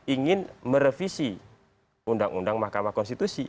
ingin merevisi undang undang mahkamah konstitusi